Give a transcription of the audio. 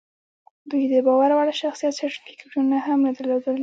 دوی د باور وړ شخصیت سرټیفیکټونه هم نه درلودل